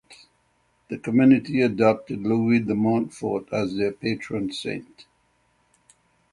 The community adopted Louis de Montfort as their patron saint.